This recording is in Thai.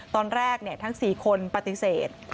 ตอนแรกทั้ง๔คนปฏิเสธ